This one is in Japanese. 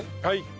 はい。